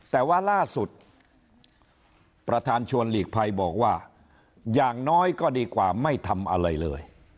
แต่ว่าล่าสุดประธานชวนหลีกภัยบอกว่าอย่างน้อยก็ดีกว่าไม่ทำอะไรเลย